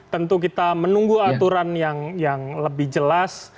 tentu kita menunggu aturan yang lebih jelas